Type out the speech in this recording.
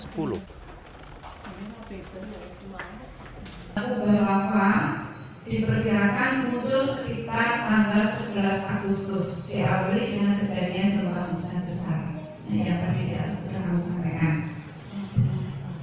kubah lava diperkirakan muncul sekitar sebelas agustus di awal dengan kejadian kebencanaan gunung merapi